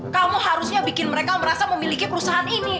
kamu harusnya bikin mereka merasa memiliki perusahaan ini